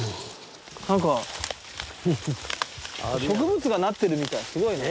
なんか植物がなってるみたいすごいね。